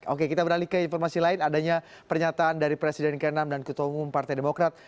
oke kita beralih ke informasi lain adanya pernyataan dari presiden ke enam dan ketua umum partai demokrat